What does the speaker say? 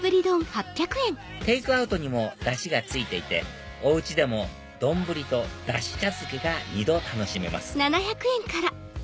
テイクアウトにもダシが付いていてお家でも丼とダシ茶漬けが２度楽しめます